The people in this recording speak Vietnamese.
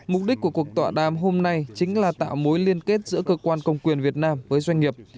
mục đích của cuộc tọa đàm hôm nay chính là tạo mối liên kết giữa cơ quan công quyền việt nam với doanh nghiệp